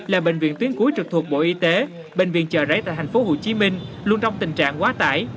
là bệnh viện tuyến cuối trực thuộc bộ y tế bệnh viện trợ rẫy tại thành phố hồ chí minh luôn trong tình trạng quá tải